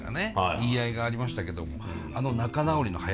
言い合いがありましたけどあの仲直りの早さね。